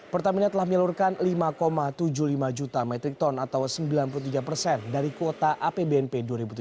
pertamina telah menyalurkan lima tujuh puluh lima juta metrik ton atau sembilan puluh tiga persen dari kuota apbnp dua ribu tujuh belas